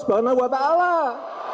karena buat allah